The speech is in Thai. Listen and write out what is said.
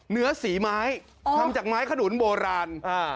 เนื้อสีไม้ทำจากไม้ขนุนโบราณ